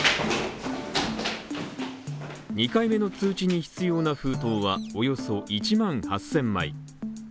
２回目の通知に必要な封筒はおよそ１万８０００枚。